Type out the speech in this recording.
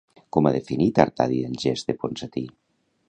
Com ha definit Artadi el gest de Ponsatí?